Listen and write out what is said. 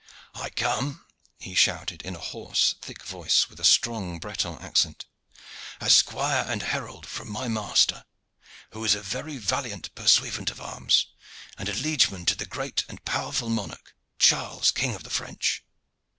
"I come," he shouted in a hoarse, thick voice, with a strong Breton accent, "as squire and herald from my master, who is a very valiant pursuivant of arms, and a liegeman to the great and powerful monarch, Charles, king of the French.